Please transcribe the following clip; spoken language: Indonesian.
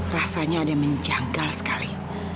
rasanya ada yang menjanggal sekali